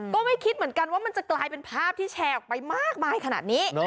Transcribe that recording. ก็ไม่คิดเหมือนกันว่ามันจะกลายเป็นภาพที่แชร์ออกไปมากมายขนาดนี้